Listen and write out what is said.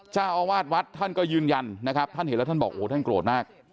เจ้าอาวาสวัดท่านก็ยืนยันนะครับท่านเห็นแล้วท่านบอกโอ้โหท่านโกรธมาก